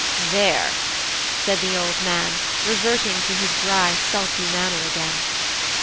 "There!" said the old man, reverting to his dry sulky manner again.